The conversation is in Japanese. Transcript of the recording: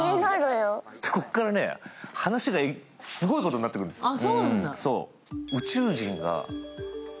ここから話がすごいことになってくるんですよ。